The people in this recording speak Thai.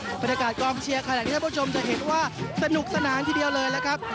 อุบัติการ์กองเชียร์ข้างหน้านี้แหละพวกชมจะเห็นว่าสนุกสนานทีเดียวเลยละครับ